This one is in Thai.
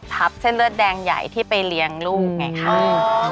ทับเส้นเลือดแดงใหญ่ที่ไปเลี้ยงลูกไงคะ